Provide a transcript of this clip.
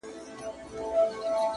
• زما پر کهاله لویه سې ملاله مېړنۍ ,